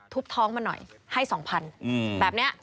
ท้องมาหน่อยให้๒๐๐๐แบบนี้